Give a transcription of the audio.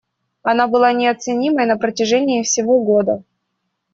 Она была неоценимой на протяжении всего года.